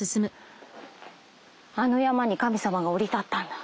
あの山に神様が降り立ったんだ。